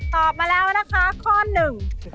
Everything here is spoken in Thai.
ตอบมาแล้วนะคะข้อหนึ่ง